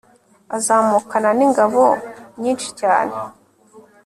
azamukana n'ingabo nyinshi cyane